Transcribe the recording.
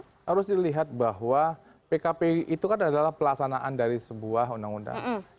harus dilihat bahwa pkpu itu kan adalah pelaksanaan dari sebuah undang undang